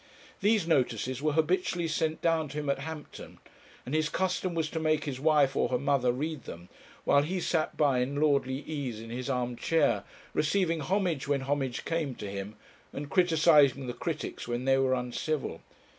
These notices were habitually sent down to him at Hampton, and his custom was to make his wife or her mother read them, while he sat by in lordly ease in his arm chair, receiving homage when homage came to him, and criticizing the critics when they were uncivil.